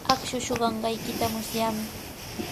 Akshuu suqanqaykita musyaami.